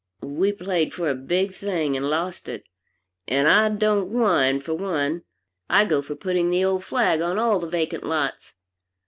We played for a big thing, and lost it, and I don't whine, for one. I go for putting the old flag on all the vacant lots.